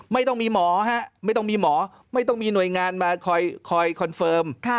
ไม่ต้องมีหมอไม่ต้องมีหน่วยงานมาคอยคอนเฟิร์ม